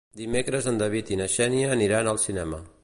Dimecres en David i na Xènia aniran al cinema.